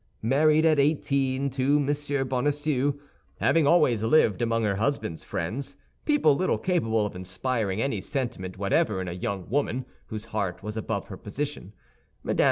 Married at eighteen to M. Bonacieux, having always lived among her husband's friends—people little capable of inspiring any sentiment whatever in a young woman whose heart was above her position—Mme.